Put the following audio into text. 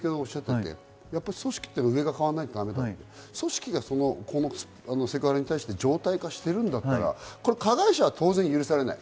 組織は上が変わらないとだめ、組織がセクハラに対して常態化しているんだったら加害者は当然、許されない。